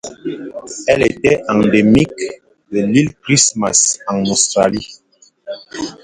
Elle était endémique de l'île Christmas en Australie.